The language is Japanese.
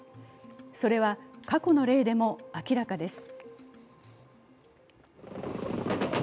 それは過去の例でも明らかです。